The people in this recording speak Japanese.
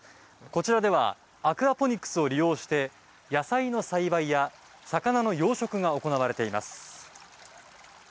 こちらではアクアポニックスを利用して野菜の栽培や魚の養殖が行われています。